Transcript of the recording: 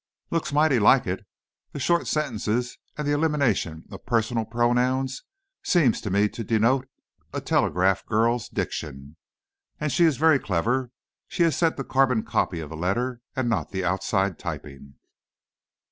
"Looks mighty like it. The short sentences and the elimination of personal pronouns seem to me to denote a telegraph girl's diction. And she is very clever! She has sent the carbon copy of the letter and not the outside typing."